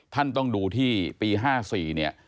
ท่านต้องดูที่ปี๕๔